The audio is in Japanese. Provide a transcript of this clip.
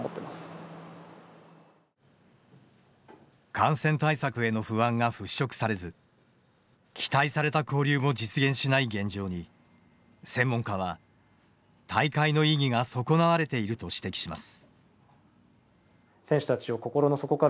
感染対策への不安が払しょくされず期待された交流も実現しない現状に専門家は大会の意義が損なわれていると指摘します。